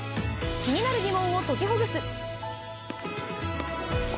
気になるギモンを解きほぐす。